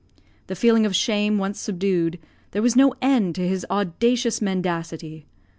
The feeling of shame once subdued, there was no end to his audacious mendacity.